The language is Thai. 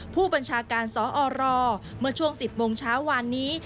ผู้บัญชาการสอรเมื่อช่วง๑๐โมงเช้าวานนี้